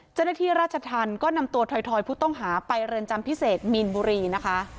เจ้าหน้าที่ราชธรรมก็นำตัวถอยผู้ต้องหาไปเรือนจำพิเศษมีนบุรีนะคะ